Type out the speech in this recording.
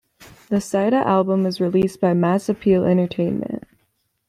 The Saida album is released by Mass Appeal Entertainment.